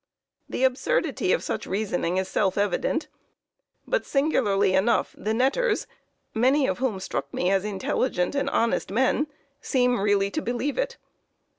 The absurdity of such reasoning is self evident, but, singularly enough, the netters, many of whom struck me as intelligent and honest men, seem really to believe in it.